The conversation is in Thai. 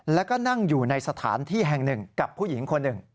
แล้วก็นั่งอยู่ในสถานที่แห่งหนึ่งกับผู้หญิงคนหนึ่ง